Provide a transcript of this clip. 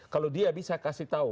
kalau dia bisa kasih tahu